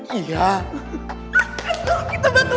hah menang pak